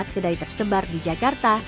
empat kedai tersebar di jakarta